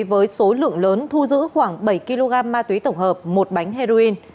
với số lượng lớn thu giữ khoảng bảy kg ma túy tổng hợp một bánh heroin